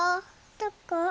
どこ？